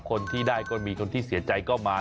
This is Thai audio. คนที่ได้ก็มีคนที่เสียใจก็มา